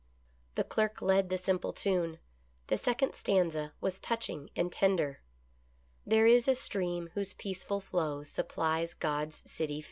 The clerk led the simple tune. The second stanza was touching and tender :" There is a stream whose peaceful flow Supplies God's city fair."